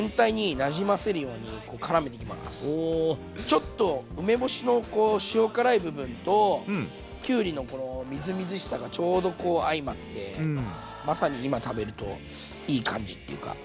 ちょっと梅干しのこう塩辛い部分ときゅうりのこのみずみずしさがちょうどこう相まってまさに今食べるといい感じっていうか。